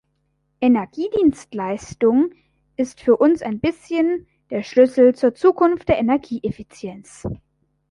Energiedienstleistung ist für uns ein bisschen der Schlüssel zur Zukunft der Energieeffizienz.